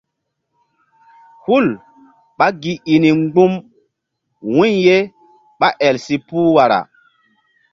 Hul ɓá gi i ni mgbu̧m wu̧y ye ɓá el si puh wara.